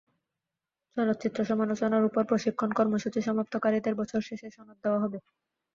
চলচ্চিত্র সমালোচনার ওপর প্রশিক্ষণ কর্মসূচি সমাপ্তকারীদের বছর শেষে সনদ দেওয়া হবে।